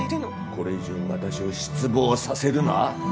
これ以上私を失望させるな。